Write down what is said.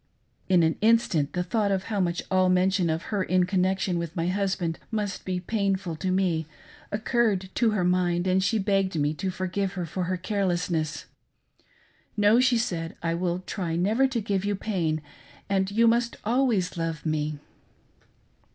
In an instant the thought of how much all mention of her in connection with my husband must be painful to me, occurred to her mind, and she begged me to forgive her for her care lessness. " No," said she, " I will try never to give you pain, and you must always love me."